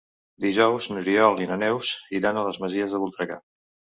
Dijous n'Oriol i na Neus iran a les Masies de Voltregà.